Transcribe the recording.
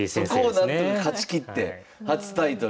そこをなんとか勝ちきって初タイトル。